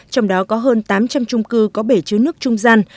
trong đó có hơn tám trăm linh trung cư có bể chứa nước trung gian